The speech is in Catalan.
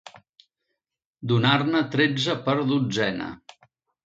Donar-ne tretze per dotzena.